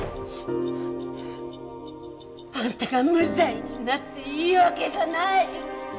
あんたが無罪になっていい訳がない！